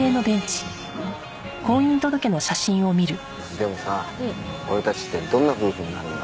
でもさ俺たちってどんな夫婦になるんだろうね。